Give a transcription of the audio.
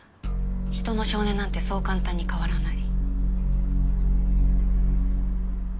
人の性根なんてそう簡単に変わらない。